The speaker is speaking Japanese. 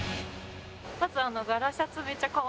まず。